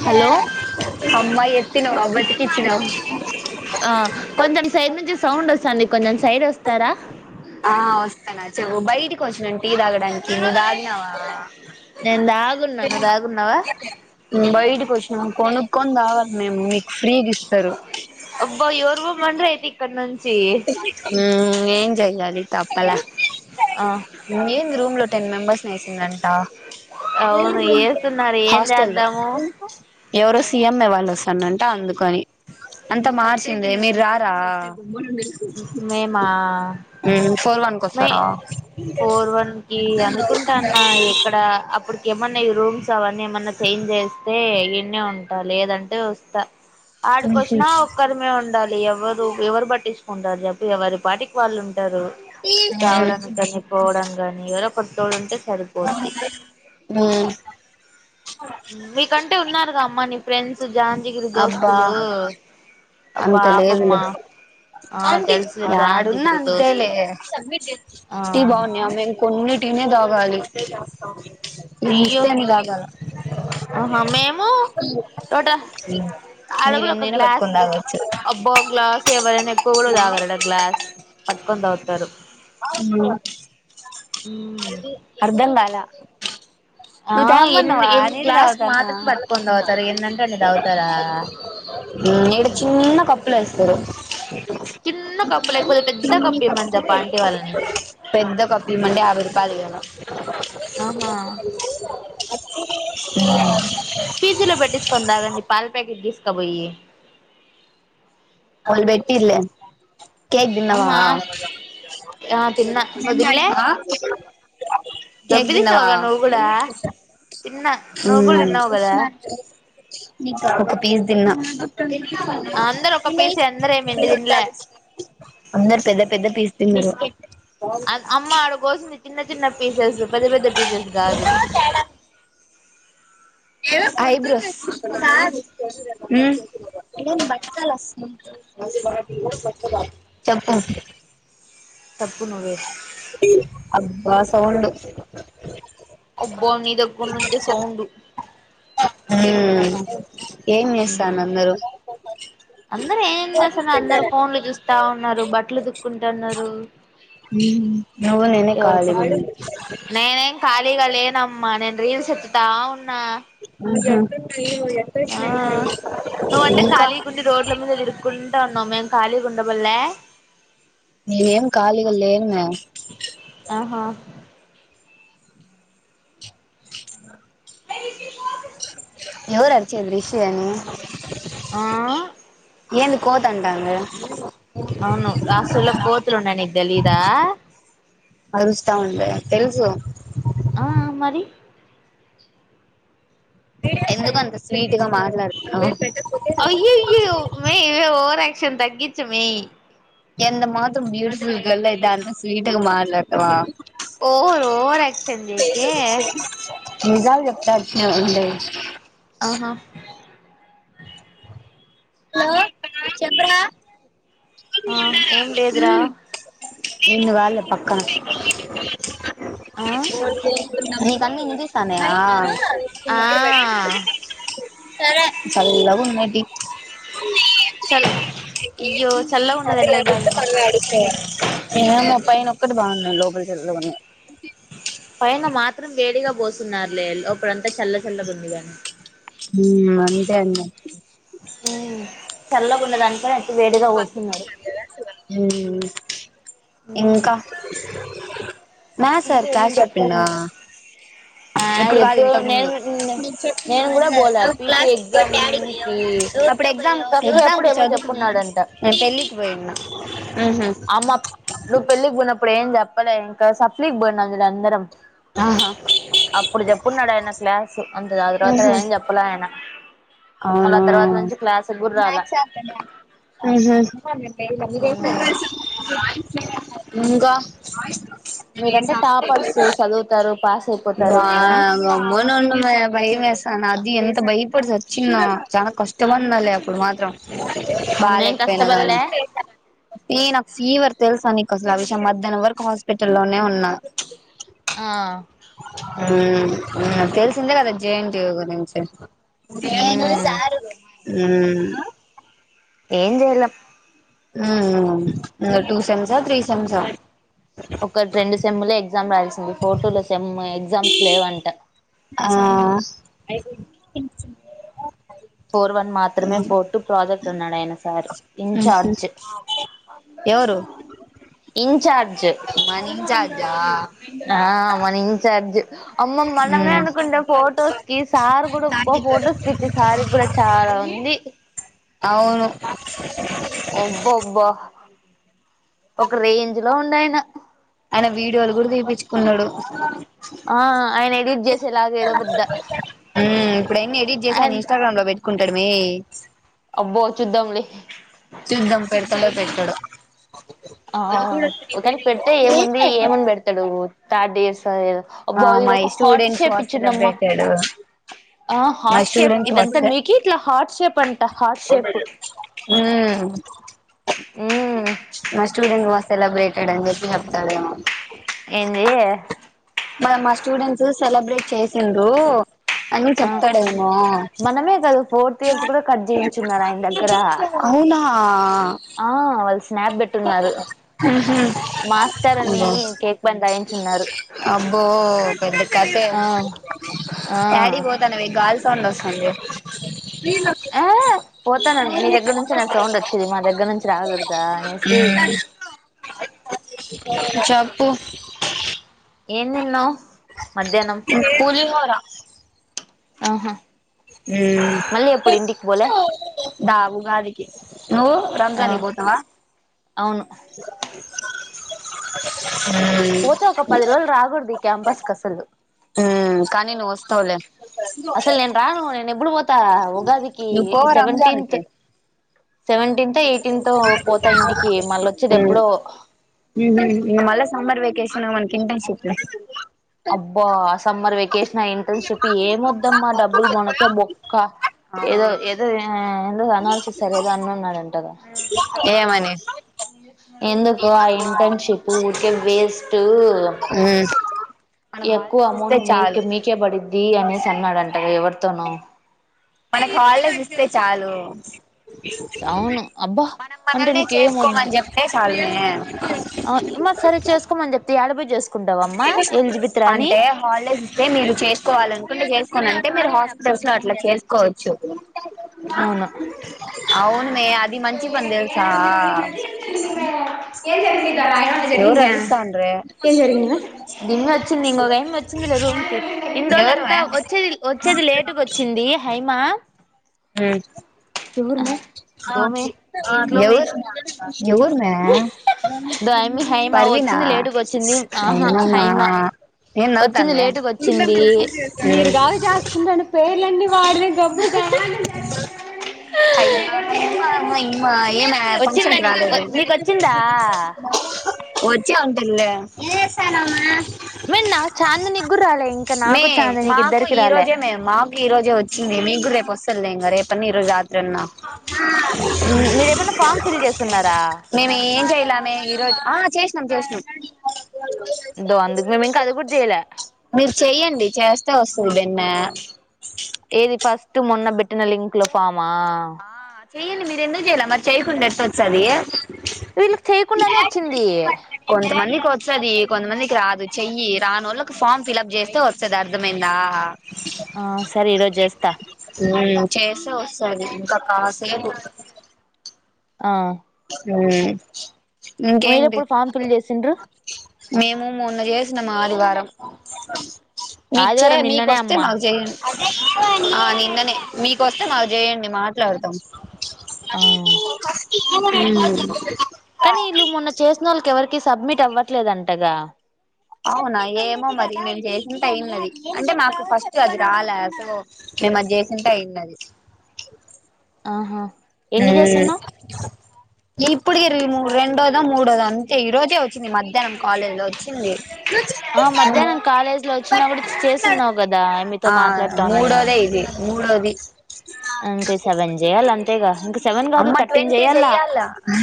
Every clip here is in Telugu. హలో ఆ కొంచెం సైడ్ నుంచి సౌండ్ ఒస్తాంది కొంచెం సైడ్ ఒస్తరా ఆ వస్తాను చె బయటికి వచ్చినంట తీటీ తాగడానికి నువ్వు తాగినవా నేను దాగున్నా నువ్వు దాగున్నావా బయటి వాచినా పో కొనుక్కని రావాలి మేము మీకు ఫ్రీగా ఇస్తారు అబ్బా ఎవర్ బ మన్రి అయితి ఇక్కడ ను ఉమ్ ఏం చెయ్యాలి తప్పలా ఆ ఏం రూమ్ లో టెన్ మెంబర్స్ నే తన్నంట అవును చేస్తున్నారు ఏం హాస్టల్లో చేద్దాము ఎవరో సీఎం ఎవాళ్ళ వస్తనంట అందుకని అంత మార్చింది మీరు రారా మేము ఫోర్ వన్ కి మ వస్తారా ఫోర్ వన్ కి అనుకుంటా అన్న ఎక్కడ అప్పుడు ఏమన్నా ఈ రూమ్స్ అవన్నీ ఏమన్నా చేంజ్ చేస్తే ఎన్న ఉంటా లేదంటే వస్తా ఆడుకో వచ్చినా ఒక్కరిమే ఉండాలి ఎవరు ఎవరు బట్టటి చు ఉంటారు చెప్పి ఎవరి పాటికి వాళ్ళు టారు రావడా మ్మ్ కాని పోవడం కాని ఎవరో కొటి తోళ ఉంటే సరిపోద్ది ఉమ్ ఉమ్ మీకంటే ఉన్నారుగా అమ్మా నీ ఫ్రెండ్స్ జాంజిగిరి అబ్బా దోస్తులు అబ్బా అంత లేదు లే ఆపమ్మా ఆ తెలుసులే ఆడున్నా జాంజిగిరి అంతే లే దోస్తులు ఆ టీ బాగున్నా మేము కొన్ని టీన తాగాలి ఇన్ని అయ్యో ఇస్తే అన్ని తాగాల ఆహా మేము టట అడ మీరు కూడా ఒక ఎన్నైనా గ్లాస్ పట్టుకొని తాగొచ్చు అబ్బో గ్లాస్ ఎవరైనా ఎక్కువ కూడా తాగలడా గ్లాస్ పందవుతారు ఉమ్ ఆర్ ఎమ్ బేల్ ఆ ను తె ఎన్ని అమ్మన్నవా ఎన్ని నేనే గ్లాస్ తగుతున్నా మాత్రం పట్టుకొని తాగుతారు ఎన్నంటే అన్ని తాగుతారా చిన్న కప్పులు వేస్తారు చిన్న కపలే ఎకు అధా కపే ఇ ఎమ్సి చెపు పెద్ద కప్పిమండి ఆవిరి తధి కదా అహా పిజీ లో పెట్టించుకొని తాగండి పాలు ప్యాకెట్ తీస్ క్క పోయి వోలు బెట్టిర్లే కేక్ తిన్నవా ఆహా ఆ తిన్నా నువ్వు తినలే ఆ కేక్ దొబ్బి తిన్నావా తిన్నావుగా నువ్వు కూడా తిన్నా నువ్వు కూడా మ్మ్ తిన్నావు కదా నేన్ గూడా ఒక పీస్ దిన్నా పీసీ అందరు ఏమి ఎంది తింలే అందరు పెద్ద పెద్ద పీస్ తిన్నారు అం అమ్మ ఆడ కోసింది చిన్న చిన్న పీసెస్ పెద్ద పెద్ద పీసెస్ గాదు ఐబ్రోస్ హ్మ్ చెప్పు చెప్పు నువ్వే అబ్బా సౌండ్ అబ్బో నీ దగ్గర్ నుంచే సౌండు హ్మ్ ఏం చేస్తాన అందరూ అందరు ఏం చేస్తన్నారు అందరు ఫోన్లు చూస్తా ఉన్నారు బట్టలు ఉతుక్కుంటాన్నారు నువ్వు నేనే ఖాళీగా నేనేం కాళి ఫ్రీ గా లేనమ్మ నేను రీల్స్ ఎతుతా ఉన్నా అహ ఆ ఇంకా [unintelligible] ఉన్నాము మేం కాళీ గుండబలే ఏం కాళిగా లేను మే ఆహా అ ఎవరు అరిచేది రిషి అని ఆ ఏంది కోత్ అంటాంది అవును రాష్ట్రంలో కోతులు ఉన్నాయి నీకు తెలిదా అరుస్తా ఉండే తెలుసు ఆ మరి ఎందుకు అంత స్వీట్గా మాట్లాడుతున్నావ్ అయ్యాయో మే ఇవే ఓవర్ యాక్ కొంచెం తగ్గించూ మే ఎంత మాత్రం బ్యూటిఫుల్ గోల్ ఐతే [unintelligible] స్వీటుగా మాట్లాడతావా ఓవర్ ఓవర్ యాక్షన్ చేయ్కే నిజాలు [unintelligible] ఉండే హలో చెప్ రా ఆ ఏం లేదురా నిన్గాదులే పక్కన ఆ ఆ చల్లగా ఉన్నాయ్ టీ చల్ అయ్యో చల్లగా ఉన్నది ఎందుకు తాగినవ్ ఎంలే పైనొక్కటి బాగుంది [unintelligible] లోపల్ చల్గూన్నాయి పైన మాత్రం వేడిగా పోసున్నారు లే లోపడంతా చల్ల చల్లగ ఉంది కానీ ఉం అంతే అండి ఉం చల్లగున్నదాని అట్టు వేడిగా పోస్తున్నారు ఉమ్ ఇంకా మా సార్ ఇంకా క్లాస్ ఏమేం చెప్పిండా చెప్తారు ఆ ఎప్పుడు కాదు ఇంతకు ముందు నేను నీక్ చెప్పిన్ నేను నువ్ కూడా విన్ల పోలే నువ్ పీపీ క్లాస్ ఎగొట్టి ఎగ్జామ్ యాడికి కి పొయ్యవ్ అప్పుడు ఎగ్జామ్ సప్లి ఎగ్జామ్ అప్పుడు కి ఏమో చదువు చెప్పున్నాడంట నే పెళ్ళికి పొయ్యున్న ఉహు ఆమ్మా నువ్ పెళ్లి కి పోయినప్పుడే ఏం చెప్పలే ఇంకా సప్లికి బోయినం కదా అందరం ఆహా అప్పుడు చెప్పున్నాడు ఆయన క్లాసు అంతా తర్వాత ఉహు ఏం చెప్పలే ఆయన మళ్ళీ అవునా ఆ తర్వాత నుంచి క్లాస్ కూడా రాలా ఉహు [inaudible] మీరంటే టాపర్స్ చదువుతారు పాస్ అ బా గమ్మునుండు మే భయం వేస అది ఎంత భయపడి సచ్చిన్నో చాలా కష్టమందలే అప్పుడు మాత్రం మేం బాగాలేకపోయినా గానీ కష్టపడలే ఏ నాకు ఫీవర్ తెలుసా నీకు అసలు ఆ విషయం మధ్యాహ్నం వరకు హాస్పిటల్లో నే ఉన్నా ఆ ఉం ఉం తెల్సిందే గదా జయంటివ్ గురించి ఉం ఏం చేయలేం ఉం ఇగ టూ సెమ్సా త్రీ సెమ్సా ఒకటి రెండు సెమ్ములే ఎగ్ గ్జామ్ రాయల్సింది ఫోటులో సెమ్ ఎగ్జామ్స్ లేవంట ఆ పోర్ వన్ మాత్రమే ఫోర్ టూ ప్రాజెక్ట్ అన్నడయన సార్ ఉహు ఇన్చార్జ్ ఎవరు ఇంచార్జ్ మన ఇన్ఛార్జా ఆ మన ఇన్చార్జ్ అమ్మ మనమే ఉమ్ అనుకుంటే ఫొటోస్ కి సారు కూడా ఫొటోస్ పిచ్చి సారి చాలా ఉంది అవును అబ్బబ్బా ఒక రేంజ్ లో ఉండయన అయన వీడియోలు కూడా తీపిచుకున్నాడు ఉం ఆ ఆయన ఎడిట్ చేసేలాగా ఏదో పెద్ద ఇప్పుడైన్ని ఎడిట్ చేసి ఆయన ఇన్స్టాగ్రామ్ లో పెట్టుకుంటాడు మే అబ్బో చూద్దాంలే చూద్దాం పెడతడో పెట్టడో ఆ ఒకని పెడితే ఏముంది ఏమని పెడతాడు థర్డ్ ఎస్ త ఆ బ ఇ మై ఒక హాట్ స్టూడెంట్స్ షేప్ వాస్ ఇచ్చిందమ్మా సెలబ్రేటెడ్ ఆ my hot shape students was ఇదంతా మేకి ఇట్లా హాట్ షేప్ అంట హాట్ షేప్ ఉమ్ మ్మ్ మా స్టూడెంట్ వ సెలబ్రేటెడ్ అని చెప్పి చెప్తాడు ఏంది మన మా స్టూడెంట్స్ సెలబ్రేట్ చేసిండ్రు అని ఆ చెప్తాడేమో మనమే కదా ఫోర్త్ ఇయర్స్ కూడా కట్ చేయించున్నారు ఆయన దగ్గర అవునా ఆ వాళ్ళు స్నాప్ పెట్టున్నారు మాస్టర్ అని అబ్బో కేక్ బందాయించు ఉన్నారు [inaudible] కదే యాడికి పోతాన్నవే గాల్ సౌండ్ వస్తంది ఆ పోతాను నీ దగ్గర నుంచి నా సౌండ్ వచ్చేది మా దగ్గర నుంచి రాకూడదా కలసి చప్పు ఏన్ తిన్నావ్ మధ్యానం పులిహోర ఆహా మ్మ్ మళ్ళీ ఎప్పుడు ఇంటికి పోలే దా వుగాదికి ను ఆ రంజానీకి పోతవా [inaudible] అవును పోతే ఒక పది రోజులు రాకూడదు ఈ క్యాంపస్ క అసలు మ్మ్ కానీ నువ్ వస్తవులే అంత ఉగాదికి సెవెంటీంత్ కి సెవెంటీన్త్ ఎయిటీన్త్ త పోతాయి ఇంటికి మళ్ళ వచ్చేది ఎప్పుడో మిమ్మల్ని మల్లా సమ్మర్ వేక్ కేశవన్ తింటన్ చెప్పా అబ్బో ఆ సమ్మర్ వెకేషన్ ఆ ఇంటర్న్షిప్ ఏమ వద్దమ్మా డబ్బులు మొనక మొక్క ఏదో అవును ఏదో అండ్ అనాల్సి ఇస్తార్ కదా అన్నున్నాడంటే ఏమని ఎందుకు ఆ ఉమ్ ఇంటర్న్షిప్ ఊకే వేస్ట్ మ్మ్ ఎక్కువ అమౌంట్ మీక మీకే పడిద్ది అనేసి అన్నాడంట ఎవరితోనూ మనకు హాలిడేస్ ఇస్తే చాలు అవును అబ్బా మనం అంటే మనల్నీ చేసుకోమని చెప్తే చాల్లే ఏ మ సరే చేసుకోమని చెప్తే యాడబోయి చేసుకో అంటే హాలిడేస్ ఇస్తే మీరు చేసుకోవాలనుకుంటే చేసుకోన్నాం అంటే మీరు హాస్పిటల్స్ లో అట్లా చేసుకోవచ్చు అవును అవును మే అది మంచి పని జరిగింది తెలుసా ఎవరు అరుస్తాండ్రే ఏం జరిగింది మే వచ్చింది ఇంకొక అయమ్మి వచ్చింది లే రూమ్ కి ఇన్ని ఎవరు రోజులంతా మే వచ్చేది వచ్చేది ఉమ్ లేటుగా వచ్చింది హ మా ఉమ్ దోమే దీంట్లోమే ఎవరు ఎవరు మే దో ఆయమ్మి హైమా పర్వీనా వచ్చింది లేటుగా వచ్చింది ఆహా హైమా ఏం వచ్చింది నవ్వుతుంది లేటుగా వచ్చింది మీరు కాదు చేస్తుంటాను పేర్లన్నీ వాడివే గబ్బుగా హైమా హైమా హైమా ఏమే వచ్చిందా ఫంక్షన్కి నీ రాలేదు నీకు వచ్చిందా వచ్చి ఉంటదిలే ఏం చేస్తున్నావ్ అమ్మ మరి నాకు చాందనికి కూడా రాలే ఇంకా నాకు మే చాందనికి మాకు ఇద్దరికి ఈ రాలే రోజే మే మాకు ఈ రోజే వచ్చింది మీ కూడా రేపు వస్తదిలే ఇంకా రేపు పని ఈరోజు మీరేమన్నా ఫామ్ ఫిల్ చేస్తున్నారా మేము ఏం చేయలామే ఈరోజు ఆ చే ఉమ్ చేసినం దో అందుకు మేము ఇంకా అది కూడా చేయలే మీరు చెయ్యండి చేస్తే వస్తుంది బిన్న టు మొన్న పెట్టిన లింక్ లో ఫామ్ మా ఆ చెయ్యండి మీరు ఎందుకు చేయ్యాలా మరి చేయకుండా ఎట్ట వచ్చది వీళ్ళకి చేయకుండానే వచ్చింది వస్తది కొంతమందికి రాదు చెయ్యి రాను వాళ్ళకి ఫామ్ ఫిల్ప్ చేస్తే వస్తుంది అర్ధమైందా ఆ సరే ఈరోజు చేస్తా ఉమ్ చేస్తే వస్తది కాసేపు ఆ ఉమ్ ఇంకేంటి మీరెప్పుడు ఫామ్ ఫిల్ చేసిండ్రు మేము మొన్న చేసినాము ఆదివారం మీకు చే ఆదివారం మీకు నిన్ననే వస్తే అమ్మా మాకు చేయండి ఆ నిన్ననే మీకు వస్తే మాకు చేయండి మాట్లాడుతాం ఆ [inaudible] హు కానీ వీళ్ళు మొన్న చేసిన వాళ్ళకి ఎవరికి కి సబ్మిట్ అవ్వట్లేదుంటగా అవునా ఏమో మరి నేను చేసుంటే అయినది అంటే నాకు ఫస్ట్ అది రాలే సో మేము అది చేసంటే అయింది ఆహా ఎన్ని అహ, చేస్తున్నావ్ [inaudible] ఇప్పుడుకి ఇరువై మూడోరెండోదా మూడోదా అంతే అయితే ఈ రోజే వచ్చింది మధ్యాహ్నం కాలేజ్ లో వచ్చింది ఆ మధ్యాహ్నం కాలేజ్ లో వచ్చినా కూడా చేస్తున్నావు కదా ఆమెతో మాట్లాడుతా మూడోదే ఇది మూడవది ఇంకా సేవన్ చేయాలి అంతే గా ఇంక సెవెన్ కాదు అమ్మ థర్టీన్ ట్వంటీ చేయాల చెయ్యాల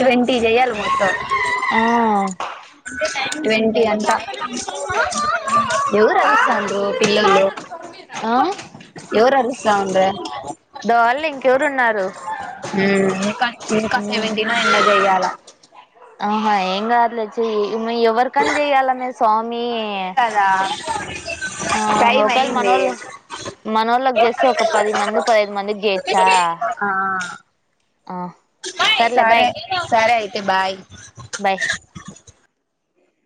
ట్వంటీ చెయ్యాలి మొత్తం అహ ట్వంటీ అంతా ఎవరు అరుస్తాండ్రు పిల్లలు అహ ఎవరు అరుస్తాండ్రి దాళ్ళు ఇంకెవరున్నారు హా ఇకా ఇంకా సెవెంటీన్ ఎన్నో చెయ్యాల ఆహా ఏం కాదులే చెయ్యి ఎవరికని చెయ్యాల మీ స్వామి స ఆ టైం ఒకవేళ అయింది మనోళ్ళు మనోళ్ళకి చేస్తే ఒక పది మంది పదహైదు మందికి చేయొచ్చా ఆ ఆ సర్లే సరే బాయ్ సరే అయితే బాయ్ బాయ్